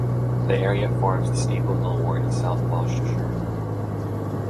The area forms the Staple Hill ward of South Gloucestershire.